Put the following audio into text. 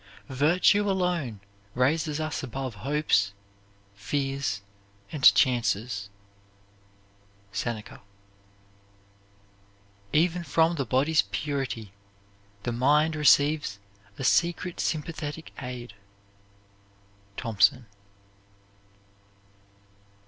Virtue alone raises us above hopes, fears, and chances. SENECA. Even from the body's purity the mind Receives a secret sympathetic aid. THOMSON.